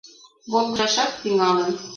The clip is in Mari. Волгыжашат тӱҥалын.